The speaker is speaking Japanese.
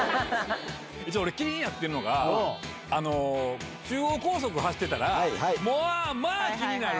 俺、気になってるのが、中央高速走ってたら、まあ、気になる！